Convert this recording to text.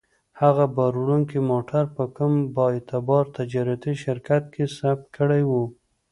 هغه باروړونکی موټر په کوم با اعتباره تجارتي شرکت کې ثبت کړی و.